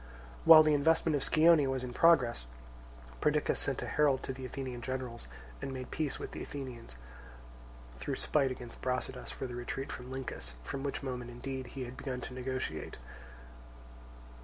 While the investment of Scione was in progress, Perdiccas sent a herald to the Athenian generals and made peace with the Athenians, through spite against Brasidas for the retreat from Lyncus, from which moment indeed he had begun to negotiate.